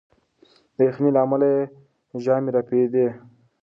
د یخنۍ له امله یې ژامې رپېدې.